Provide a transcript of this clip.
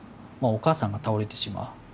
まあお母さんが倒れてしまう。